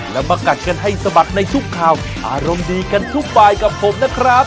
แล้วมากัดกันให้สะบัดในทุกข่าวอารมณ์ดีกันทุกบายกับผมนะครับ